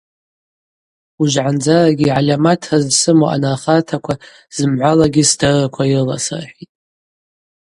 Уыжвгӏандзарагьи гӏальаматра зсыму анархартаква зымгӏвалагьи сдырраква йрыласырхӏитӏ.